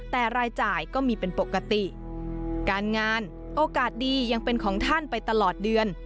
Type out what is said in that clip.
แต่รายจ่ายก็มีเป็นปกติการงานโอกาสดียังเป็นของท่านไปตลอดเดือน